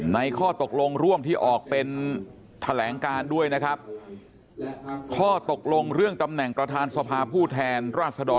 ข้อตกลงร่วมที่ออกเป็นแถลงการด้วยนะครับข้อตกลงเรื่องตำแหน่งประธานสภาผู้แทนราชดร